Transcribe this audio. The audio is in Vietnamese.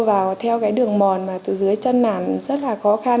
vào theo cái đường mòn mà từ dưới chân nản rất là khó khăn